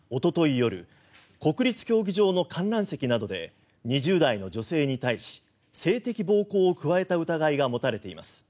夜国立競技場の観覧席などで２０代の女性に対し性的暴行を加えた疑いが持たれています。